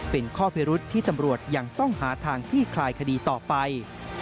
เป็นข้อพิรุษที่ตำรวจยังต้องหาทางคลี่คลายคดีต่อไป